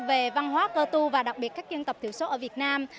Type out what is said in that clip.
về văn hóa cơ tu và đặc biệt các dân tộc thiểu số ở việt nam